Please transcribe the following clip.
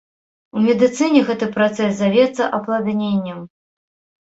У медыцыне гэты працэс завецца апладненнем.